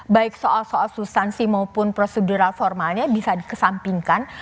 baik soal soal substansi maupun prosedural formalnya bisa dikesampingkan